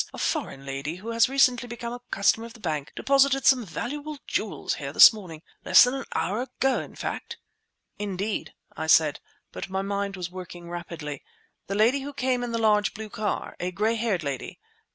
"A foreign lady who has recently become a customer of the bank deposited some valuable jewels here this morning—less than an hour ago, in fact." "Indeed," I said, and my mind was working rapidly. "The lady who came in the large blue car, a gray haired lady?"